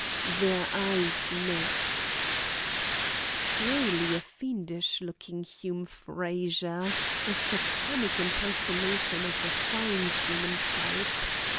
Their eyes met. Truly a fiendish looking Hume Frazer, a Satanic impersonation of a fine human type.